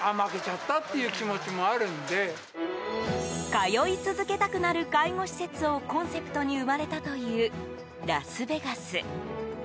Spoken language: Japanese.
通い続けたくなる介護施設をコンセプトに生まれたというラスベガス。